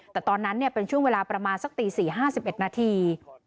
แต่ตอนนั้นเป็นช่วงเวลาประมาณสักตี๔๕๑นาที